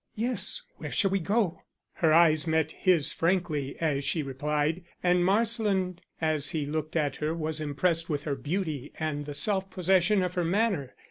"Yes. Where shall we go?" Her eyes met his frankly, as she replied, and Marsland as he looked at her was impressed with her beauty and the self possession of her manner.